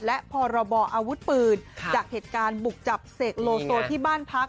และพรบออาวุธปืนจากเหตุการณ์บุกจับเสกโลโซที่บ้านพัก